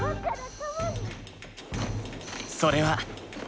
それは。